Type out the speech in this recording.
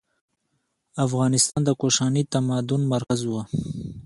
افغانستان د کوشاني تمدن مرکز و.